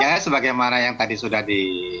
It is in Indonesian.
ya sebagai mana yang tadi sudah di